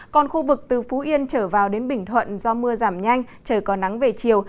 còn khu vực từ phú yên trở vào đến bình thuận do mưa giảm nhanh trời có nắng về chiều